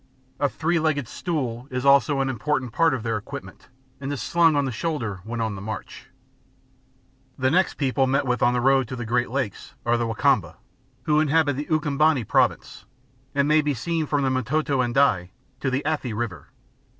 A three legged stool is also an important part of their equipment, and is slung on the shoulder when on the march. The next people met with on the road to the Great Lakes are the Wa Kamba, who inhabit the Ukambani province, and may be seen from M'toto Andei to the Athi River.